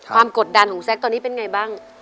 ความกดดันตอนนี้ของคุณแซคเป็นไงบ้าง